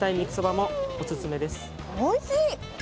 おいしい！